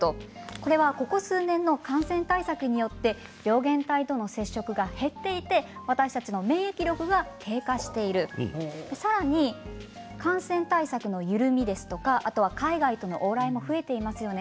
これは、ここ数年の感染対策によって病原体との接触が減っていて私たちの免疫力が低下しているさらに感染対策の緩みですとか海外との往来も増えていますよね